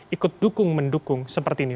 ikut dukung mendukung seperti ini